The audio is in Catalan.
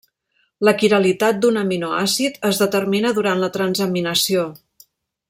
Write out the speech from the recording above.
La quiralitat d'un aminoàcid es determina durant la transaminació.